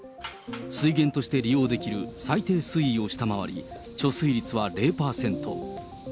水源として利用できる最低水位を下回り、貯水率は０％。